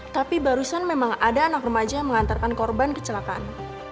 tapi barusan memang ada anak remaja yang mengantarkan korban kecelakaan